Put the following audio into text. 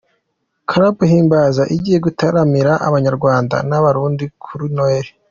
Club Himbaza igiye gutaramira abanyarwanda n'abarundi kuri Noheli.